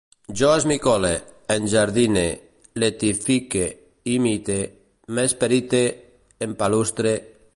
Jo esmicole, enjardine, letifique, imite, m'esperite, empalustre